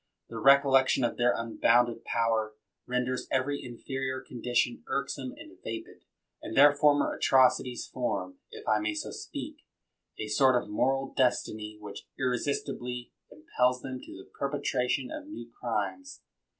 The recollection of their unbounded power renders every inferior condition irksome and vapid; and their former atrocities form, if I may so speak, a sort of moral destiny which irresistibly impels them to the perpetration of new crimes.